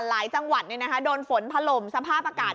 จังหวัดโดนฝนถล่มสภาพอากาศ